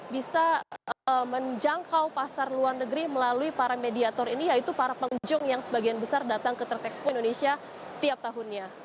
bisa menjangkau pasar luar negeri melalui para mediator ini yaitu para pengunjung yang sebagian besar datang ke trade expo indonesia tiap tahunnya